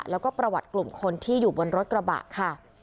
แล้วก็ประวัติกลุ่มคนที่อยู่บนรถกระบะค่ะ